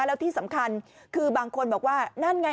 แล้วที่สำคัญคือบางคนบอกว่านั่นไง